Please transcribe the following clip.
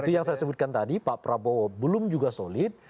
itu yang saya sebutkan tadi pak prabowo belum juga solid